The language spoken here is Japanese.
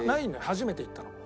初めて行ったの。